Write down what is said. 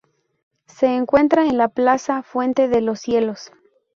Se encuentra en la plaza Fuente de los Cielos.